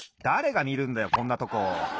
だれがみるんだよこんなとこ。